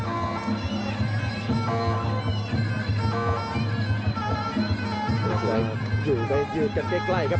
ส่วนด้านกระดูกสุดเล็กอยู่ใดยืดกันใกล้ครับ